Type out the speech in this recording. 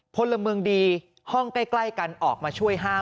พลเมืองดีห้องใกล้กันออกมาช่วยห้าม